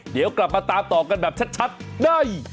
เดี๋ยวกลับมาตามต่อกันแบบชัดใน